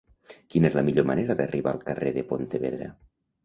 Quina és la millor manera d'arribar al carrer de Pontevedra?